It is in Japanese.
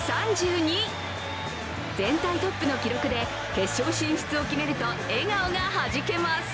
全体トップの記録で決勝進出を決めると笑顔がはじけます。